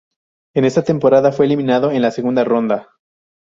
En esa temporada fue eliminado en la segunda ronda.